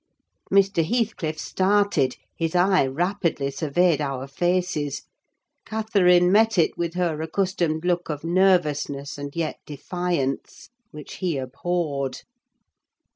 Mr. Heathcliff started; his eye rapidly surveyed our faces. Catherine met it with her accustomed look of nervousness and yet defiance, which he abhorred.